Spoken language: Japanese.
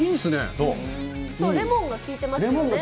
レモンが効いてますね。